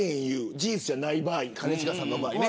事実じゃない場合兼近さんの場合ね。